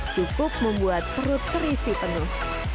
cukup membuat perut terisi penuh